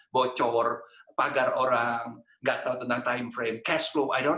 bocor pagar orang tidak tahu tentang jadwal waktu